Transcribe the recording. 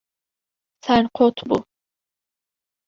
Serqot bû.